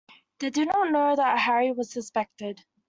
They did not know that Harry was suspected.